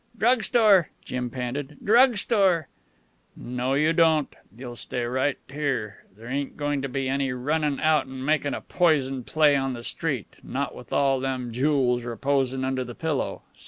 "Drug store," Jim panted. "Drug store." "No you don't. You'll stay right here. There ain't goin' to be any runnin' out an' makin' a poison play on the street not with all them jools reposin' under the pillow.